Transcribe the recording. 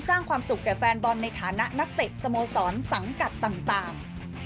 สร้างความสุขแก่แฟนบอลในฐานะนักเตะสโมสรสังกัดต่าง